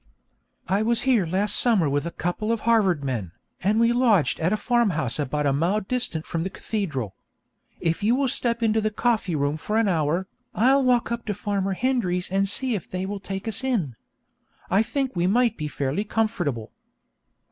I was here last summer with a couple of Harvard men, and we lodged at a farmhouse about a mile distant from the cathedral. If you will step into the coffee room for an hour, I'll walk up to Farmer Hendry's and see if they will take us in. I think we might be fairly comfortable.'